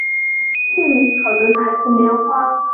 县名可能来自棉花。